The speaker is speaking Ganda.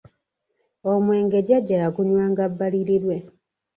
Omwenge jjaja yagunywanga bbalirirwe.